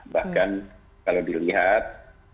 bahkan kalau dilihat